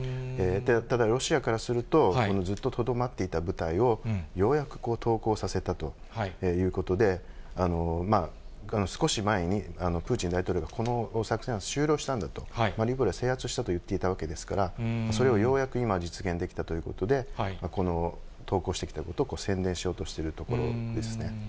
ただロシアからすると、ずっととどまっていた部隊を、ようやく投降させたということで、少し前にプーチン大統領がこの作戦は終了したんだと、マリウポリは制圧したと言っていたわけですから、それをようやく今、実現できたということで、この投降してきたことを宣伝しようとしているところですね。